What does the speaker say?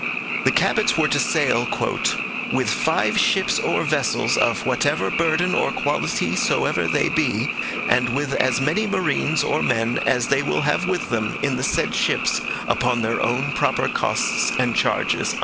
The Cabots were to sail 'with five ships or vessels of whatever burden or quality soever they be, and with as many marines or men as they will have with them in the said ships upon their own proper costs and charges.'